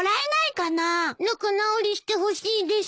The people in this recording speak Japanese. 仲直りしてほしいです。